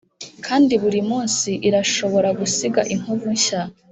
kandi burimunsi irashobora gusiga inkovu nshya.